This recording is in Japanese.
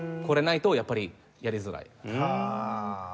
これないとやっぱりやりづらい。